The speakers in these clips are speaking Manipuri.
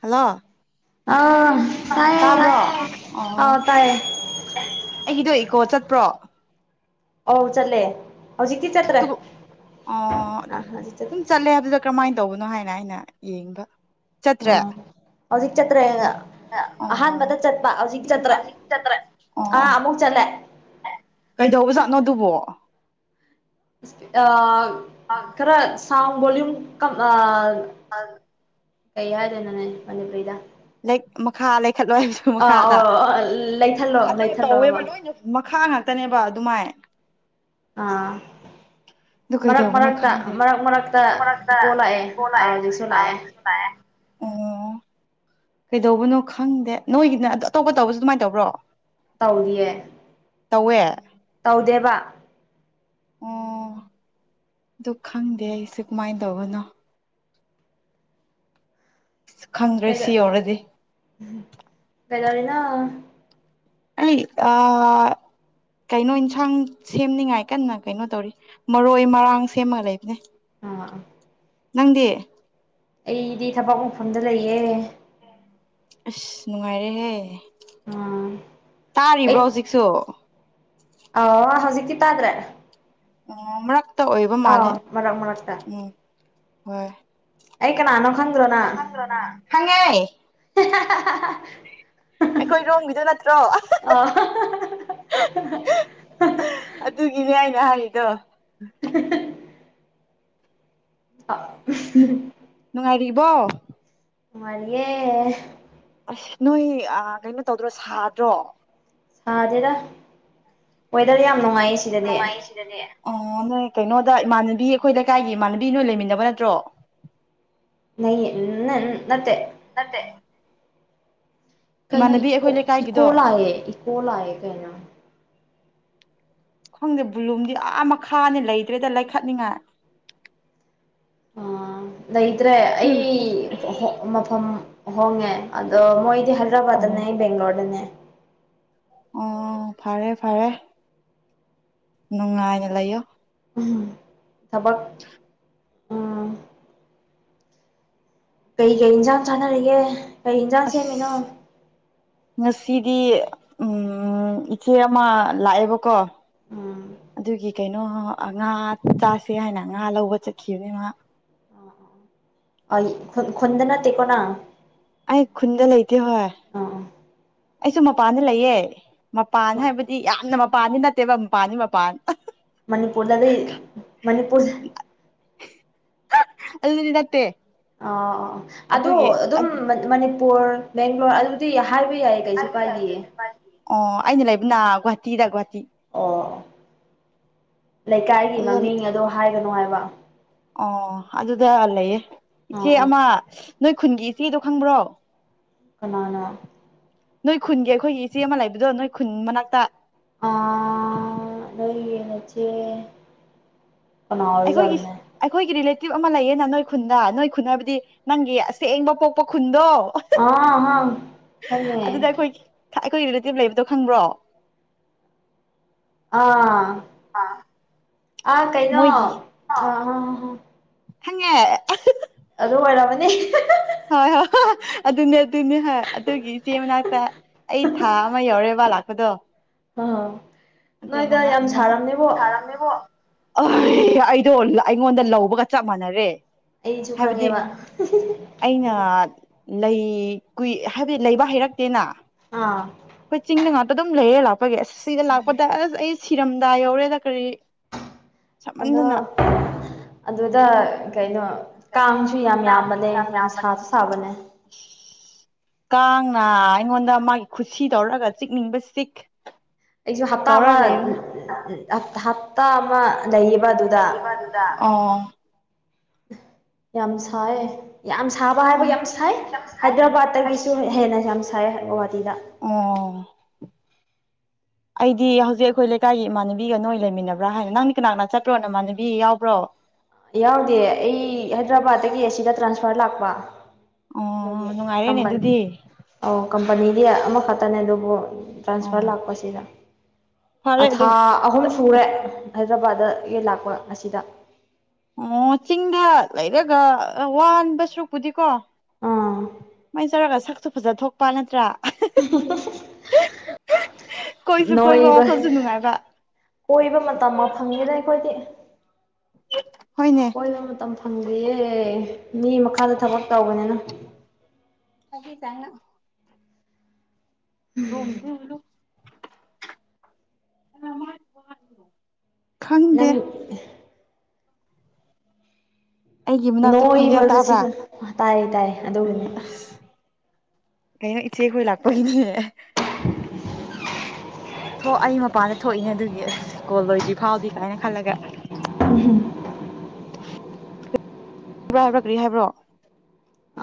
ꯍꯜꯂꯣ ꯑ ꯇꯥꯕ꯭ꯔꯣ ꯑꯣ ꯇꯥꯏꯌꯦ ꯑꯩꯒꯤꯗꯣ ꯀꯣ ꯆꯠꯄ꯭ꯔꯣ ꯑ ꯆꯂꯦ ꯑꯗꯨꯒ ꯑꯣ ꯑꯗꯨ ꯑꯥ ꯍꯧꯖꯤꯛ ꯆꯠ ꯑꯗꯨꯝ ꯆꯠꯂꯦ ꯑꯗꯨꯗ ꯀꯔꯝꯍꯥꯏꯅ ꯇꯧꯕꯅꯣ ꯍꯥꯏꯅ ꯍꯥꯏꯅꯔ ꯌꯦꯡꯕ ꯆꯠꯇ꯭ꯔꯦ ꯑꯥ ꯍꯧꯖꯤꯛ ꯆꯠꯇꯦꯉ ꯑꯣ ꯑꯍꯥꯟꯕꯗ ꯆꯠꯄ ꯍꯧꯖꯤꯛ ꯆꯠꯇ꯭ꯔꯦ ꯍꯧꯖꯤꯛ ꯆꯠꯇ꯭ꯔꯦ ꯑꯥ ꯑꯃꯨꯛ ꯆꯠꯂꯦ ꯀꯩꯗꯧꯕꯖꯥꯠꯅꯣꯗꯨꯕꯣ ꯑ ꯈꯔ ꯁꯥꯎ ꯣꯂꯨ ꯀ ꯍꯥꯏ ꯀꯩ ꯍꯥꯏꯗꯣꯏꯅꯣꯅꯦ ꯃꯅꯤꯄꯨꯔꯤꯗ ꯃꯈꯥ ꯂꯩꯈꯠꯂꯣꯏ ꯍꯥꯏꯁꯨ ꯑꯥ ꯑꯣ ꯃꯈꯥꯗ ꯂꯩꯊꯠꯂꯣ ꯑ ꯂꯩꯊꯠꯂꯣꯕ ꯇꯧꯋꯦꯕ ꯂꯣꯏꯅ ꯃꯈꯥ ꯉꯥꯛꯇꯅꯦꯕ ꯑꯗꯨꯃꯥꯏ ꯑꯥ ꯑꯗꯨ ꯃꯔꯛ ꯀꯩꯗꯧꯕꯅꯣ ꯃꯔꯛꯇ ꯈꯪꯗꯦ ꯃꯔꯛ ꯃꯔꯛꯇ ꯃꯔꯛꯇ ꯏꯀꯣ ꯂꯥꯛꯑꯦ ꯀꯣꯜ ꯂꯥꯛꯑꯦ ꯍꯧꯖꯤꯛꯁꯨ ꯑꯥ ꯂꯥꯛꯑꯦ ꯍꯧꯖꯤꯛꯁꯨ ꯑꯣ ꯀꯩꯗꯧꯕꯅꯣ ꯈꯪꯗꯦ ꯅꯣꯏꯒꯤꯗꯅ ꯑꯇꯣꯞꯄ ꯇꯧꯕꯁꯨ ꯑꯗꯨꯃꯥꯏꯅ ꯇꯧꯕ꯭ꯔꯣ ꯇꯧꯔꯤꯌꯦ ꯇꯧꯋꯦ ꯇꯧꯗꯦꯕ ꯑꯣ ꯑꯗꯨ ꯈꯪꯗꯦ ꯑꯩꯁꯦ ꯀꯃꯥꯏꯅ ꯇꯧꯕꯅꯣ ꯈꯪꯗ꯭ꯔꯦ ꯁꯤ ꯌꯧꯔꯗꯤ ꯃꯦꯒꯔꯤꯅ ꯑ ꯑ ꯀꯩꯅꯣ ꯏꯟꯁꯥꯡ ꯁꯦꯝꯅꯤꯉꯥꯏ ꯀꯟꯅ ꯀꯩꯅꯣ ꯇꯧꯔꯤ ꯃꯔꯣꯏ ꯃꯔꯥꯡ ꯁꯦꯝꯃ ꯂꯩꯕꯅꯦ ꯑꯥ ꯅꯪꯗꯤ ꯑꯩꯗꯤ ꯊꯕꯛ ꯃꯐꯝꯗ ꯂꯩꯌꯦꯦ ꯑꯁ ꯅꯨꯡꯉꯥꯏꯔꯦꯍꯦ ꯎꯝ ꯑꯩ ꯇꯥꯔꯤꯕ꯭ꯔꯣ ꯍꯧꯖꯤꯛꯁꯨ ꯑ ꯍꯧꯖꯤꯛꯛꯇꯤ ꯇꯥꯗ꯭ꯔꯦ ꯎ ꯃꯔꯛꯇ ꯑꯣꯏꯕ ꯑꯥꯎ ꯃꯥꯜꯂꯦ ꯃꯔꯛ ꯃꯔꯛꯇ ꯎꯝ ꯍꯣꯏ ꯑꯩ ꯀꯅꯥꯅꯣ ꯈꯪꯗ꯭ꯔꯣꯅ ꯈꯪꯗ꯭ꯔꯣ ꯅꯪ ꯈꯪꯉꯦ ꯑꯩꯈꯣꯏ ꯔꯣꯝꯒꯤꯗꯣ ꯅꯠꯇ꯭ꯔꯣ ꯑꯣ ꯑꯗꯨꯒꯤꯅꯦ ꯑꯩꯅ ꯍꯥꯏꯔꯤꯗꯣ [inaudible] [inaudible] [inaudible] ꯃꯦ ꯅꯣꯏ ꯀꯩꯅꯣ ꯇꯧꯗ꯭ꯔꯣ ꯁꯥꯗ꯭ꯔꯣ ꯁꯥꯗꯦꯗ ꯋꯦꯗꯔ ꯌꯥꯝ ꯅꯨꯡꯉꯥꯏꯌꯦ ꯁꯤꯗꯅꯦ ꯅꯨꯡꯉꯥꯏ ꯁꯤꯗꯗꯤ ꯑꯣ ꯅꯣꯏ ꯀꯩꯅꯣꯗ ꯏꯃꯥꯟꯅꯕꯤ ꯑꯩꯈꯣꯏ ꯂꯩꯀꯥꯏꯒꯤ ꯏꯃꯅꯕꯤ ꯅꯣꯏ ꯂꯩꯃꯤꯟꯅꯕ ꯅꯠꯇ꯭ꯔꯣ ꯅꯩ ꯏꯠꯇꯦ ꯅꯠꯇꯦ ꯀꯩꯅꯅ ꯏꯃꯥꯟꯅꯕꯤ ꯏꯀꯣ ꯑꯩꯈꯣꯏ ꯂꯩꯀꯥꯏꯒꯤꯗꯣ ꯏꯀꯣꯂꯑ ꯏꯀꯣꯂꯑ ꯀꯩꯅꯩꯅ ꯈꯪꯗꯦ ꯕꯨꯂꯨꯝꯗꯤ ꯑꯥ ꯃꯈꯥꯅꯤ ꯂꯩꯇ꯭ꯔꯦꯗ ꯂꯩꯈꯠꯅꯤꯉꯥꯏ ꯑ ꯂꯩꯇ꯭ꯔꯦ ꯑꯩ ꯃꯐꯝ ꯍꯣꯡꯉꯦ ꯑꯗꯣ ꯃꯣꯏ ꯑꯣ ꯍꯔꯕꯥꯗꯅꯦ ꯦꯡꯒ꯭ꯂꯣꯔꯅꯦ ꯑꯣ ꯐꯔꯦ ꯐꯔꯦ ꯅꯨꯡꯉꯥꯏꯅꯦ ꯂꯩꯌꯣ ꯎꯝ ꯊꯕꯛ ꯎꯝ ꯀꯩ ꯀꯩ ꯏꯟꯁꯥꯡ ꯆꯥꯟꯅꯔꯤꯒꯦ ꯀꯩ ꯌꯦꯟꯁꯥꯡ ꯑꯁ ꯁꯦꯝꯃꯤꯅꯣ ꯉꯁꯤꯗꯤ ꯎ ꯏꯆꯦ ꯑꯃ ꯂꯥꯛꯑꯦꯕꯀꯣ ꯎꯝ ꯑꯗꯨꯒꯤ ꯀꯩꯅꯣ ꯉꯥ ꯆꯥꯁꯦ ꯍꯥꯏꯅ ꯉꯥ ꯂꯧꯕ ꯆꯠꯈꯤꯕꯅꯦ ꯃꯥ ꯈꯟꯗ ꯅꯠꯇꯦꯀꯣꯅ ꯑꯩ ꯈꯨꯟꯗ ꯂꯩꯇꯦ ꯍꯣꯏ ꯑꯩꯁꯨ ꯃꯄꯥꯟꯗ ꯂꯩꯌꯦ ꯃꯄꯥꯟ ꯑꯥ ꯍꯥꯏꯕꯗꯤ ꯌꯥꯝꯅ ꯃꯄꯥꯟꯅꯤ ꯅꯠꯇꯦꯕ ꯃꯄꯥꯟꯅꯤ ꯃꯄꯥꯟ ꯃꯅꯤꯄꯨꯔꯗꯗꯤ ꯃꯅꯤꯄꯨꯔ ꯑꯜꯗꯠꯇꯦ ꯑ ꯑꯗꯣ ꯑꯗꯨꯝ ꯃꯅꯤꯄꯨꯔ ꯕꯦꯡꯒ꯭ꯂꯣꯔ ꯑꯗꯨꯗꯤ ꯍꯥꯏꯕ ꯌꯥꯏ ꯀꯩꯁꯨ ꯀꯥꯏꯗꯤꯌꯦ ꯑꯣ ꯑꯩꯅ ꯂꯩꯕꯅ ꯒꯨꯍꯥꯇꯤꯗ ꯒꯨꯍꯥꯇꯤ ꯑꯣ ꯂꯩꯀꯥꯏꯒꯤ ꯑꯗꯨꯗ ꯃꯃꯤꯡ ꯑꯣ ꯍꯥꯏꯒꯅꯨ ꯍꯥꯏꯕ ꯑꯣ ꯑꯗꯨꯗ ꯂꯩꯌꯦ ꯑꯥ ꯏꯆꯦ ꯑꯥ ꯑꯃ ꯅꯣꯏ ꯈꯨꯟꯒꯤ ꯏꯆꯦꯗꯣ ꯈꯪꯕ꯭ꯔꯣ ꯀꯃꯅ ꯅꯣꯏ ꯈꯨꯟꯒꯤ ꯑꯩꯈꯣꯏꯒꯤ ꯏꯆꯦ ꯑꯃ ꯂꯩꯕꯗꯣ ꯅꯣꯏ ꯈꯨꯟ ꯃꯅꯥꯛꯇ ꯑ ꯂꯩꯅꯆꯦ ꯑꯩꯈꯣꯏꯒꯤ ꯑꯩꯈꯣꯏꯒꯤꯔꯤꯂꯦ ꯇꯤꯞ ꯑꯃ ꯂꯩꯌꯦꯅ ꯅꯣꯏ ꯈꯨꯟꯗ ꯅꯣꯏ ꯈꯨꯟ ꯍꯥꯏꯕꯗꯤ ꯅꯪꯒꯤ ꯑꯁꯦꯡꯕ ꯄꯣꯛꯄ ꯈꯨꯟꯗꯣ ꯑꯥ ꯍꯥ ꯈꯪꯉꯦ ꯑꯗꯨꯗ ꯑꯩꯈꯣꯏꯒꯤ ꯀꯩ ꯔꯤꯂꯦꯇꯤꯚ ꯂꯩꯕꯗꯣ ꯈꯪꯕ꯭ꯔꯣ ꯑꯥ ꯑꯥ ꯑ ꯀꯩꯅꯣ ꯑ ꯑ ꯍꯉ ꯑꯗ ꯑꯣꯏꯔꯕꯅꯤ ꯍꯣꯏ ꯑꯗꯨꯅꯦ ꯑꯗꯨꯅꯦ ꯍ ꯑꯗꯨꯒꯤ ꯏꯆꯦ ꯃꯅꯥꯛꯇ ꯑꯩ ꯊꯥ ꯑꯃ ꯌꯧꯔꯦ ꯂꯥꯛꯀꯗꯣ ꯑ ꯑꯗꯨ ꯃꯉꯥ ꯊꯔꯝꯕꯣ ꯑ ꯑꯩꯗꯣ ꯑꯩꯉꯣꯟꯗ ꯂꯧꯕꯒ ꯆꯞ ꯃꯥꯟꯅꯔꯦ ꯑꯩ ꯆꯨ ꯍꯥꯏꯕꯗꯤ ꯀꯉꯦꯕ ꯑꯩꯅ ꯂꯩ ꯀꯨꯏ ꯍꯥꯏꯕꯗꯤ ꯂꯩꯕ ꯍꯩꯔꯛꯇꯦꯅ ꯑꯥ ꯑꯩꯈꯣꯏ ꯆꯤꯡꯗ ꯉꯥꯛꯇ ꯑꯗꯨꯝ ꯂꯩꯔꯦ ꯂꯥꯛꯄꯒꯤꯦ ꯑꯁ ꯁꯤꯗ ꯂꯥꯛꯄꯗ ꯑꯁ ꯑꯩ ꯁꯤꯔꯝꯗꯥ ꯌꯧꯔꯦꯗ ꯀꯔꯤ ꯑꯗꯣ ꯁꯥꯃꯟꯗꯅ ꯑꯗꯨꯗ ꯀꯩꯅꯣ ꯀꯩꯅꯣ ꯀꯥꯡꯁꯨ ꯌꯥꯝ ꯀꯥꯡꯁꯨ ꯌꯥꯝꯕꯅꯦ ꯌꯥꯝ ꯌꯥꯝꯕꯅꯦ ꯁꯥꯁꯨ ꯁꯥꯕꯅꯦ ꯀꯥꯡꯅ ꯑꯩꯉꯣꯟꯗ ꯃꯥꯒꯤ ꯈꯨꯁꯤ ꯇꯧꯔꯒ ꯆꯤꯛꯅꯤꯡꯕ ꯆꯤꯛ ꯑꯩꯁꯨ ꯍꯞꯇꯥ ꯇꯧꯔ ꯑꯃ ꯂꯩꯕꯅꯤ ꯑ ꯍꯞꯇꯥ ꯑꯃ ꯂꯩꯌꯦꯕ ꯑꯗꯨꯗ ꯂꯩꯌꯦꯕ ꯑꯗꯨꯗ ꯑꯣ ꯌꯥꯝ ꯁꯥꯏ ꯌꯥꯝ ꯁꯥꯕ ꯍꯥꯏꯕ ꯍꯣꯏ ꯌꯥꯝ ꯁꯥꯏ ꯌꯥꯝ ꯁꯥꯏ ꯍꯥꯏꯗ꯭ꯔꯕꯥꯠꯇꯒꯤꯁꯨ ꯑꯁ ꯍꯦꯟꯅ ꯌꯥꯝ ꯁꯥꯏ ꯍꯥꯏꯕ ꯋꯥ ꯑꯣ ꯑꯩꯗꯤ ꯍꯧꯖꯤꯛ ꯑꯩꯈꯣꯏ ꯂꯩꯀꯥꯏꯒꯤ ꯏꯃꯥꯟꯅꯕꯤꯒ ꯅꯣꯏ ꯂꯩꯃꯤꯟꯅꯕ꯭ꯔꯥ ꯍꯥꯏꯅ ꯅꯪꯗꯤ ꯀꯅꯥꯛꯅꯥ ꯆꯠꯇ꯭ꯔꯣ ꯅꯃꯥꯟꯅꯕꯤ ꯌꯥꯎꯕ꯭ꯔꯣ ꯌꯥꯎꯗꯦ ꯑꯩ ꯍꯥꯏꯗ꯭ꯔꯕꯥꯠꯇꯒꯤ ꯑꯁꯤꯗ ꯇ꯭ꯔꯥꯟꯁꯐꯔ ꯂꯥꯛꯄ ꯑꯣ ꯅꯨꯡꯉꯥꯏꯔꯦꯅꯦ ꯅꯤ ꯑꯗꯨꯗꯤ ꯑꯣ ꯀꯝꯄꯅꯤꯗꯤ ꯑꯃꯈꯛꯇꯅꯦ ꯑꯗꯨꯕꯨ ꯇ꯭ꯔꯥꯟꯁꯐꯔ ꯑꯣ ꯂꯥꯛꯄꯁꯤꯗ ꯑ ꯐꯔꯦ ꯊꯥ ꯑꯗꯨꯝ ꯑꯍꯨꯝ ꯁꯨꯔꯦ ꯍꯥꯏꯗ꯭ꯔꯕꯥꯗ ꯌꯦꯟ ꯂꯥꯛꯄ ꯉꯁꯤꯗ ꯑꯣ ꯆꯤꯡꯗ ꯂꯩꯔꯒ ꯋꯥꯟꯕ ꯁꯔꯨꯛꯄꯨꯗꯤꯀꯣ ꯑꯥ ꯁꯨꯃꯥꯏꯅ ꯆꯧꯔꯒ ꯁꯛꯁꯨꯨ ꯐꯖ ꯊꯣꯛꯄ ꯅꯠꯇ꯭ꯔꯥ [inaudible] ꯀꯣꯏꯁꯨ ꯀꯣꯏꯕ ꯅꯣꯏꯕ ꯋꯥꯈꯜꯁꯨ ꯅꯨꯡꯉꯥꯏꯕ ꯀꯣꯏꯕ ꯃꯇꯝ ꯑꯃ ꯐꯪꯉꯦꯅ ꯑꯩꯈꯣꯏꯗꯤ ꯍꯣꯏꯅꯦ ꯀꯣꯏꯕ ꯃꯇꯝ ꯐꯪꯗꯌꯦꯦ ꯃꯤ ꯃꯈꯥꯗ ꯊꯕꯛ ꯇꯧꯕꯅꯤꯅ [inaudible] ꯇꯅ ꯔꯣꯝꯗꯂꯣ ꯅꯪ ꯑꯩꯒꯤ ꯃꯅꯥꯛꯇ ꯈꯣꯟꯖꯦꯜ ꯇꯥꯕ꯭ꯔꯥ ꯅꯣꯏꯕꯒꯁꯤꯒ ꯇꯥꯏ ꯇꯥꯏ ꯑꯗꯨꯒꯅꯦ ꯑꯁ ꯀꯩꯅꯣ ꯏꯆꯦ ꯑꯩꯈꯣꯏ ꯂꯥꯛꯄꯒꯤꯅꯤꯍ [inaudible] ꯊꯣꯛ ꯑꯩ ꯃꯄꯥꯟꯗ ꯊꯣꯛꯏꯅꯦ ꯑꯗꯨꯒꯤ ꯑꯁ ꯀꯣꯜ ꯂꯣꯏꯗ꯭ꯔꯤ ꯐꯥꯎꯗꯤ ꯀꯥꯏꯅ ꯈꯜꯂꯒ [inaudible] ꯍꯥꯏꯕ꯭ꯔꯥ ꯍꯥꯏꯕ꯭ꯔꯥ ꯀ꯭ꯔꯤ ꯍꯥꯏꯕ꯭ꯔꯣ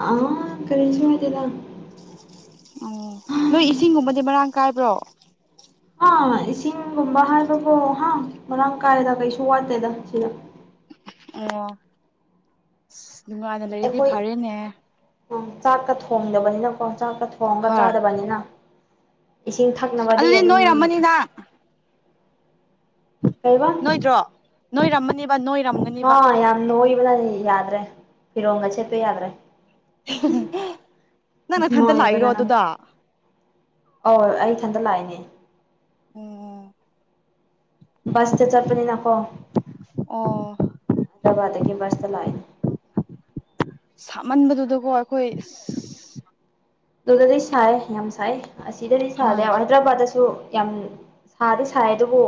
ꯑꯥ ꯀꯔꯤꯁꯠꯇꯦꯗ ꯑꯣ ꯅꯣꯏ ꯏꯁꯤꯡꯒꯨꯝꯕꯗꯤ ꯃꯔꯥꯡ ꯀꯥꯏꯕ꯭ꯔꯣ ꯑ ꯏꯁꯤꯡꯒꯨꯝꯕ ꯍꯥꯏꯕꯕꯨꯣ ꯍꯥ ꯃꯔꯥꯡ ꯀꯥꯏꯗ ꯀꯩꯁꯨ ꯋꯥꯠꯇꯦꯗ ꯁꯤꯗ ꯑꯣ ꯑꯁ ꯅꯨꯡꯉꯥꯏꯅ ꯂꯩꯔꯗꯤ ꯐꯔꯦꯅꯦ ꯎ ꯆꯥꯛꯀ ꯊꯣꯡꯗꯕꯅꯤꯅꯀꯣ ꯆꯥꯛꯀ ꯊꯣꯡꯉꯒ ꯍꯣꯏ ꯆꯥꯗꯕꯅꯤꯅ ꯏꯁꯤꯡ ꯊꯛꯅꯕꯗꯤ ꯑꯗꯨꯗꯤ ꯑꯗꯨꯝ ꯅꯣꯏꯔꯝꯃꯅꯤ ꯅꯪ ꯀꯩꯕ ꯅꯣꯏꯗ꯭ꯔꯣ ꯅꯣꯏꯔꯝꯃꯅꯤꯕ ꯅꯣꯏꯔꯝꯒꯅꯤꯕ ꯑꯥ ꯌꯥꯝ ꯅꯣꯏꯕꯅ ꯌꯥꯗ꯭ꯔꯦ ꯐꯤꯔꯣꯡꯒ ꯁꯦꯠꯄ ꯌꯥꯗ꯭ꯔꯦ ꯅꯪ ꯅꯊꯟꯇ ꯂꯥꯛꯏꯔꯣ ꯅꯣꯏꯕꯅ ꯅꯪ ꯑꯗꯨꯗ ꯑꯧ ꯑꯩ ꯏꯊꯟꯗ ꯂꯥꯛꯏꯅꯦ ꯎꯝ ꯕꯁꯇ ꯆꯠꯄꯅꯤ ꯅꯥꯀꯣ ꯑꯣ ꯗꯕꯥꯗꯗꯒꯤ ꯕꯁꯇ ꯂꯥꯛꯏꯅꯤ ꯁꯥꯃꯟꯕꯗꯨꯗꯀꯣ ꯑꯩꯈꯣꯏ ꯑꯗꯨꯗꯗꯤ ꯁꯥꯏ ꯌꯥꯝ ꯁꯥꯏ ꯑꯁꯤꯗꯗꯤ ꯁꯥꯗꯦ ꯍꯣꯏ ꯍꯥꯏꯗ꯭ꯔꯕꯥꯗꯁꯨ ꯌꯥꯝ ꯁꯥꯗꯤ ꯁꯥꯏ ꯑꯗꯨꯕꯨ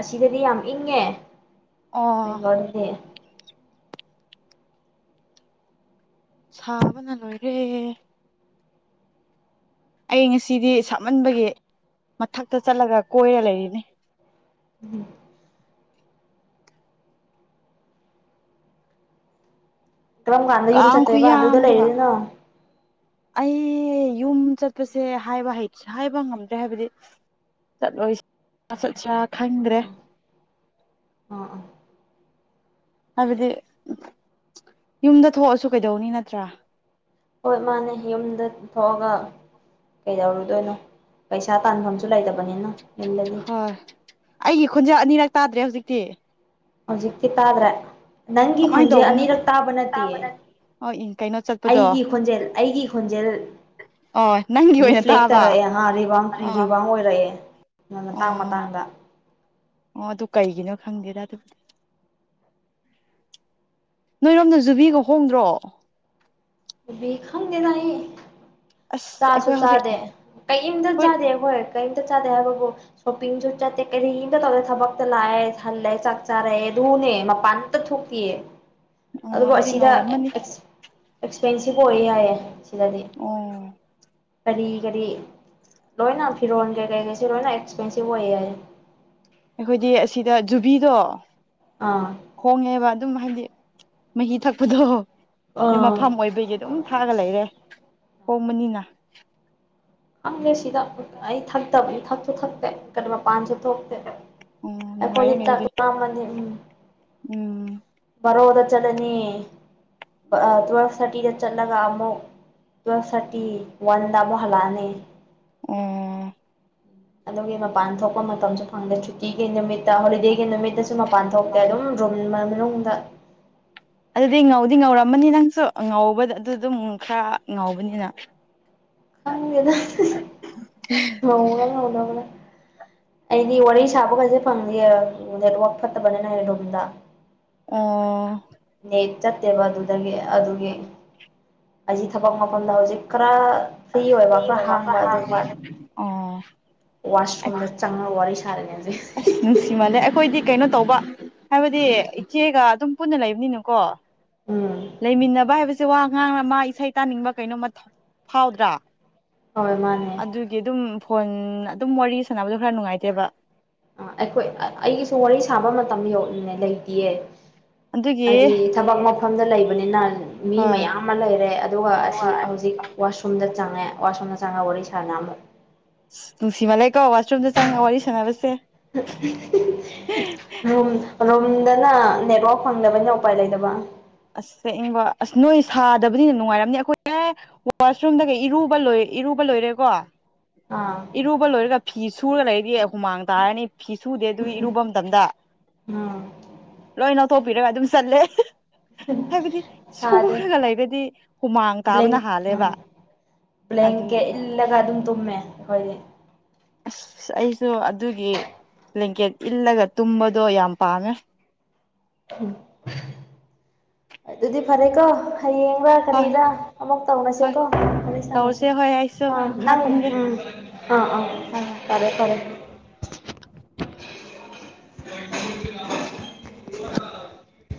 ꯑꯁꯤꯗꯗꯤ ꯌꯥꯝ ꯏꯪꯉꯦ ꯑꯣ ꯕꯦꯡꯒꯣꯔꯗꯗꯤ ꯁꯥꯕꯅ ꯂꯣꯏꯔꯦ ꯑꯩ ꯉꯁꯤꯗꯤ ꯁꯥꯃꯟꯕꯒꯤ ꯃꯊꯛꯇ ꯆꯠꯂꯒ ꯀꯣꯏꯔ ꯂꯩꯔꯤꯅꯤ ꯎꯝ ꯀꯔꯝ ꯀꯥꯟꯗ ꯌꯨꯝ ꯀꯥꯡ ꯆꯠꯇꯣꯏꯕ ꯑꯗ ꯈꯨꯌꯥꯝꯗꯨꯒ ꯂꯩꯗꯨꯅ ꯑꯩ ꯌꯨꯝ ꯆꯠꯄꯁꯦꯕ ꯍꯥꯏꯕ ꯉꯝꯗ꯭ꯔꯦ ꯍꯥꯏꯕꯗꯤ ꯆꯠꯂꯣꯏꯁꯤ ꯆꯠꯁ꯭ꯔꯥ ꯈꯪꯗ꯭ꯔꯦ ꯑꯥ ꯑꯥ ꯍꯥꯏꯕꯗꯤ ꯌꯨꯝꯗ ꯊꯣꯛꯑꯁꯨ ꯀꯩꯗꯧꯅꯤ ꯅꯠꯇ꯭ꯔꯥ ꯍꯣꯏ ꯃꯥꯅꯦ ꯌꯨꯝꯗ ꯊꯣꯛꯑꯒ ꯀꯩꯗꯧꯔꯨꯗꯣꯏꯅꯣ ꯄꯩꯁꯥ ꯇꯥꯟꯐꯝꯁꯨ ꯂꯩꯗꯕ ꯍꯣꯏ ꯑꯩꯒꯤ ꯈꯣꯟꯖꯥ ꯑꯅꯤꯔꯛ ꯇꯥꯗ꯭ꯔꯦ ꯍꯧꯖꯤꯛꯇꯤ ꯍꯧꯖꯤꯛꯇꯤ ꯇꯥꯗ꯭ꯔꯥ ꯅꯪꯒꯤ ꯀꯃꯥꯏꯅ ꯈꯨꯣꯟꯖꯦ ꯇꯧꯕꯅꯣ ꯑꯅꯤꯔꯛ ꯇꯥꯕ ꯅꯠꯇꯦꯌꯦ ꯅꯠꯇꯦ ꯑꯣ ꯏ ꯀꯩꯅꯣ ꯆꯠꯄꯗꯣ ꯑꯩꯒꯤ ꯈꯣꯟꯖꯦꯜ ꯑꯩꯒꯤ ꯈꯣꯟꯖꯦꯜ ꯑꯣ ꯅꯪꯒꯤ ꯑꯣꯏꯅ ꯔꯤꯐ꯭ꯂꯦꯛ ꯇꯥꯕ ꯇꯧꯔꯛꯑꯦ ꯍꯥ ꯑꯥ ꯔꯤꯕꯥꯡ ꯑꯣꯏꯔꯛꯑꯦ ꯅꯪ ꯃꯇꯥꯡ ꯑꯣ ꯃꯇꯥꯡꯗ ꯑꯣ ꯑꯗꯨ ꯀꯩꯒꯤꯅꯣ ꯈꯪꯗꯦꯗ ꯑꯗꯨꯕꯨꯗꯤ ꯅꯣꯏꯔꯣꯝꯗ ꯖꯨꯕꯤꯒ ꯍꯣꯡꯗ꯭ꯔꯣ ꯈꯪꯗꯦꯗ ꯑꯩ ꯑꯁ ꯆꯥꯁꯨ ꯑꯩꯈꯣꯏ ꯍꯧꯖꯤꯛ ꯆꯥꯗꯦ ꯀꯔꯤꯝꯇ ꯑꯩꯈꯣꯏ ꯆꯥꯗꯦ ꯍꯈꯣꯏ ꯀꯩ ꯆꯦ ꯍꯥꯏꯕꯨ ꯁꯣꯁꯨ ꯆ ꯀ ꯇ ꯊꯕꯛ ꯂꯥꯛꯑ ꯊꯂꯦ ꯆꯥꯛ ꯆꯥꯔꯦ ꯅꯦ ꯃꯄꯥꯟ ꯑꯃꯇ ꯊꯣꯛꯇꯑ ꯑꯣ ꯑꯗꯨꯕꯨ ꯑꯗꯨꯗꯤ ꯑꯁꯤꯗ ꯉꯧꯔꯝꯃꯅꯤ ꯑꯦꯛꯁꯄꯦꯟꯁꯤꯚ ꯑꯣꯏ ꯌꯥꯌꯦ ꯑꯣ ꯀꯔꯤ ꯀꯔꯤ ꯂꯣꯏꯅ ꯐꯤꯔꯣꯜ ꯀꯩ ꯀꯩꯀꯩꯁꯦ ꯂꯣꯏꯅ ꯑꯦꯛꯁꯄꯦꯟꯁꯤꯞ ꯑꯣꯏꯌꯦ ꯍꯥꯏ ꯑꯩꯈꯣꯏꯗꯤ ꯑꯁꯤꯗ ꯖꯨꯕꯤꯗꯣ ꯑꯥ ꯍꯣꯡꯉꯦꯕ ꯑꯗꯨꯝ ꯍꯥꯏꯗꯤ ꯃꯍꯤ ꯊꯛꯄꯗꯣ ꯑꯥ ꯃꯐꯝ ꯑꯣꯏꯕꯒꯤ ꯑꯗꯨꯝ ꯊꯥꯛꯑꯒ ꯂꯩꯔꯦ ꯍꯣꯡꯕꯅꯤꯅꯥ ꯈꯪꯗꯦ ꯁꯤꯗ ꯑꯩ ꯊꯛꯇꯕꯅꯤ ꯊꯁꯨ ꯊꯛꯇꯦ ꯀꯔꯤ ꯃꯄꯥꯟꯁꯨ ꯊꯣꯛꯇꯦ ꯎꯝ ꯑꯩꯈꯣꯏ ꯅꯨꯡꯉꯥꯏꯔꯦꯅꯦ ꯆꯥꯛ ꯑꯗꯨꯗꯤ ꯂꯝꯃꯅꯤ ꯎꯝ ꯕꯔꯣꯗ ꯆꯠꯅꯤ ꯇꯨꯋꯦꯜꯐ ꯊꯥꯔꯇꯤꯗ ꯆꯠꯂꯒ ꯑꯃꯨꯛ ꯇꯨꯋꯦꯜꯐ ꯊꯥꯔꯇꯤ ꯋꯥꯟꯗ ꯑꯃꯨꯛ ꯍꯜꯂꯛꯑꯅꯤ ꯎꯝ ꯑꯗꯨꯒꯤ ꯃꯄꯥꯟ ꯊꯣꯛꯄ ꯃꯇꯝꯁꯨ ꯐꯪꯗꯦ ꯁꯨꯇꯤꯒꯤ ꯅꯨꯃꯤꯠꯇ ꯍꯣꯂꯤꯗꯦꯒꯤ ꯅꯨꯃꯤꯠꯇ ꯁꯤ ꯃꯄꯥꯟ ꯊꯣꯛꯇꯦ ꯑꯗꯨꯝ ꯔꯨꯝ ꯃꯅꯨꯡꯗ ꯑꯃꯅꯤ ꯅꯪꯁꯨ ꯉꯧꯕꯗ ꯑꯗꯨ ꯑꯗꯨꯝ ꯈꯔ ꯉꯥꯎꯧꯕꯅꯤꯅ ꯈꯪꯗꯦꯗ ꯉꯧꯕꯔ ꯉꯧꯗꯕꯔ ꯑꯩꯗꯤ ꯋꯥꯔꯤ ꯁꯥꯕꯈꯩꯁꯦ ꯐꯪꯗꯦ ꯅꯦꯠꯋꯥꯛ ꯐꯠꯇꯕꯅꯤꯅꯔꯣꯝꯗ ꯑ ꯆꯠꯇꯦꯕ ꯑꯗꯨꯗꯒꯤ ꯑꯗꯨꯒꯤ ꯑꯩ ꯊꯕꯛ ꯃꯐꯝꯗ ꯍꯧꯖꯤꯛ ꯈꯔ ꯐ꯭ꯔꯤ ꯑꯣꯏꯕ ꯁꯤ ꯑꯣꯏꯔꯣ ꯍꯥꯡꯕ ꯈꯔ ꯑꯗꯨꯒꯤ ꯍꯣꯢ ꯑꯣ ꯋꯥꯁꯔꯨꯝꯗ ꯆꯪꯉꯒ ꯋꯥꯔꯤ ꯁꯥꯔꯤꯅꯦ ꯍꯧꯖꯤꯛ ꯑꯁ ꯅꯨꯡꯁꯤ ꯃꯥꯜꯂꯦ ꯑꯩꯈꯣꯏꯗꯤ ꯀꯩꯅꯣ ꯇꯧꯕ ꯍꯥꯏꯕꯗꯤ ꯏꯆꯦꯒ ꯑꯗꯨꯝ ꯄꯨꯟꯅ ꯂꯩꯕꯅꯤꯅꯀꯣ ꯎꯝ ꯂꯩꯃꯤꯟꯅꯕ ꯍꯥꯏꯕꯕꯁꯤ ꯁꯦ ꯋꯥ ꯉꯥꯡꯅ ꯃꯥ ꯏꯁꯩ ꯇꯥꯅꯤꯡꯕ ꯀꯩꯅꯣꯝꯃ ꯐꯥꯎꯗ꯭ꯔꯥ ꯍꯣꯏ ꯃꯥꯅꯦ ꯑꯗꯨꯒꯤ ꯑꯗꯨꯝ ꯐꯣꯟ ꯑꯗꯨꯝ ꯋꯥꯔꯤ ꯁꯥꯟꯅꯕꯗꯣ ꯈꯔ ꯅꯨꯡꯉꯥꯏꯇꯦꯕ ꯑ ꯑꯩꯈꯣꯏ ꯑꯩꯒꯤꯁꯨ ꯋꯥꯔꯤ ꯁꯥꯕ ꯃꯇꯝ ꯌꯅꯤꯡ ꯂꯩꯇꯌꯦ ꯑꯗꯨꯗ ꯍꯥꯏꯗꯤ ꯊꯕꯛ ꯃꯐꯝꯗ ꯂꯩꯕꯅꯤꯅ ꯃꯤ ꯍꯣꯏ ꯃꯌꯥꯝ ꯑꯃ ꯂꯩꯔꯦ ꯑꯗꯨꯒ ꯑꯁꯤ ꯍꯧꯖꯤꯛ ꯋꯥꯁꯔꯨꯝꯗ ꯆꯉꯦ ꯋꯥꯁꯅ ꯆꯪꯉꯦ ꯋꯥꯔꯤ ꯁꯥꯟꯅ ꯅꯨꯡꯁꯤꯃ ꯂꯩꯀꯣ ꯋꯥꯁꯔꯨꯝꯗ ꯆꯪꯉꯒ ꯋꯥꯔꯤ ꯁꯥꯟꯅꯕꯁꯦ ꯔꯣꯝ ꯔꯣꯝꯗꯅ ꯅꯦꯠꯋꯥꯛ ꯐꯪꯗꯕꯅꯤꯅ ꯎꯄꯥꯏ ꯂꯩꯗꯕ ꯑꯁ ꯁꯠꯅꯤꯡꯕ ꯑꯁ ꯅꯣꯏ ꯁꯥꯗꯕꯅꯤꯅ ꯅꯨꯡꯉꯥꯏꯔꯝꯅꯤ ꯑꯩꯈꯣꯏ ꯋꯥꯁꯔꯨꯝꯗꯒ ꯏꯔꯨꯕ ꯂꯣꯏꯔ ꯏꯔꯨꯕ ꯂꯣꯏꯔꯦꯀꯣ ꯑꯥ ꯏꯔꯨꯕ ꯂꯣꯏꯔꯒ ꯐꯤ ꯁꯨꯔꯒ ꯂꯩꯔꯗꯤ ꯍꯨꯃꯥꯡ ꯇꯥꯔꯅꯤ ꯐꯤ ꯁꯨꯗꯦ ꯑꯗꯨ ꯏꯔꯨꯕ ꯃꯇꯝꯗ ꯎꯝ ꯂꯣꯏꯅ ꯇꯣꯄꯤꯔꯒ ꯑꯗꯨꯝ ꯆꯠꯂꯦ ꯍꯥꯏꯕꯗꯤ ꯁꯥꯗꯦ ꯁꯨꯔꯒ ꯂꯩꯒꯗꯤ ꯍꯨꯃꯥꯡ ꯕ꯭ꯂꯦꯡ ꯇꯥꯕꯅ ꯍꯥꯜꯂꯦꯕ ꯑꯗꯨꯒꯤ ꯕ꯭ꯂꯦꯡꯀꯦꯠ ꯏꯜꯂꯒ ꯑꯗꯨꯝ ꯇꯨꯝꯃꯦ ꯑꯩꯈꯣꯏꯗꯤ ꯑꯁ ꯑꯩꯁꯨ ꯑꯗꯨꯒꯤ ꯕ꯭ꯂꯦꯡꯀꯦꯠ ꯏꯜꯂꯒ ꯇꯨꯝꯕꯗꯣ ꯌꯥꯝ ꯄꯥꯝꯃꯦ ꯑꯗꯨꯗꯤ ꯐꯔꯦꯀꯣ ꯍꯌꯦꯡꯗ ꯍꯣꯏ ꯀꯔꯤꯔ ꯑꯃꯨꯛ ꯍꯣꯏ ꯇꯧꯅꯁꯦꯀꯣ ꯋꯥꯔꯤ ꯁꯥꯟꯅꯁꯦ ꯇꯧꯔꯁꯦ ꯍꯣꯏ ꯑꯩꯁꯨ ꯑꯥ ꯃꯈꯥ ꯅꯪ ꯀꯨꯝꯒꯦ ꯎꯝ ꯑꯥ ꯑꯥ ꯍꯣꯏ ꯍꯣꯏ ꯐꯔꯦ ꯐꯔꯦ [unintelligible]